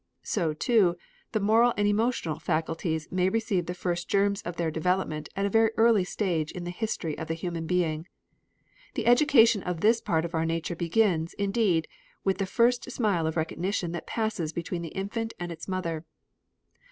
So, too, the moral and emotional faculties may receive the first germs of their development at a very early stage in the history of the human being. The education of this part of our nature begins, indeed, with the first smile of recognition that passes between the infant and its mother.